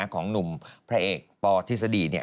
ของหนุ่มพระเอกปธิษฎี